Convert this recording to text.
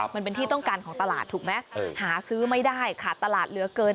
มันเป็นที่ต้องการของตลาดถูกไหมหาซื้อไม่ได้ขาดตลาดเหลือเกิน